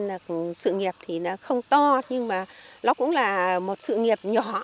là sự nghiệp thì nó không to nhưng mà nó cũng là một sự nghiệp nhỏ